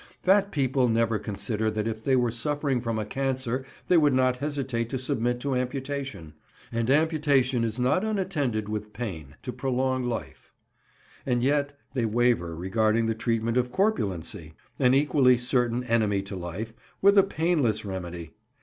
Fat people never consider that if they were suffering from a cancer they would not hesitate to submit to amputation—and amputation is not unattended with pain—to prolong life; and yet they waver regarding the treatment of corpulency—an equally certain enemy to life—with a painless remedy!